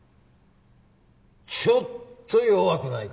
ちょっと弱くないか？